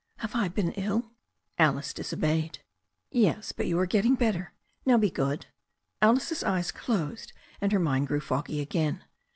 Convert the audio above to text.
"Have I been ill?" Alice disobeyed. "Yes, but you are getting better. Now be good." Alice's eyes closed and her mind grew foggy again.